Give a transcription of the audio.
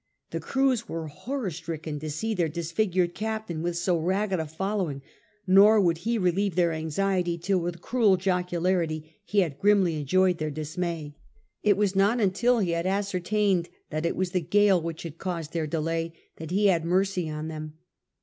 The crews were horror stricken to see their disfigured Captain with so ragged a following, nor would he relieve their anxiety till with cruel jocularity he had grimly enjoyed their dismay. It was not until he had ascertained that it was the gale which had caused their delay that he had mercy on them.